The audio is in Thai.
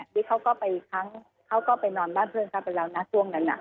นี่เขาก็ไปอีกครั้งเขาก็ไปนอนบ้านเพื่อนเขาไปแล้วนะช่วงนั้น